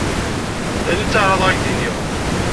D ayen i ttɛaraḍeɣ ad k-d-iniɣ.